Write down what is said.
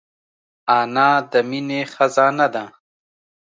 انا د مینې خزانه ده